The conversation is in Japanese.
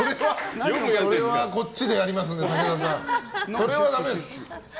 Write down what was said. それはこっちでやりますので武田さん、それはだめです。